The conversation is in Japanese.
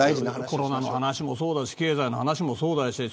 コロナの話もそうだし経済の話もそうだし。